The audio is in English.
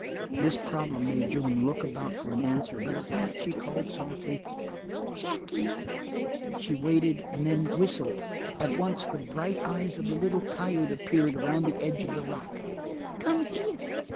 This problem made Joan look about for an answer, but at length she called softly: "Jackie!" She waited, and then whistled; at once the bright eyes of the little coyote appeared around the edge of the rock. "Come here!"